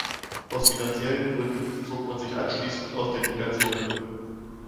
Aus finanziellen Gründen zog man sich anschließend aus der Liga zurück.